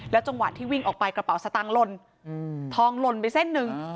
จังหวะที่วิ่งออกไปกระเป๋าสตางค์หล่นทองหล่นไปเส้นหนึ่ง